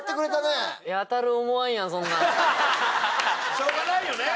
しょうがないよね。